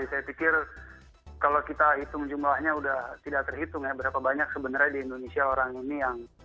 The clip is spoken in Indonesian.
jadi saya pikir kalau kita hitung jumlahnya sudah tidak terhitung ya berapa banyak sebenarnya di indonesia orang ini yang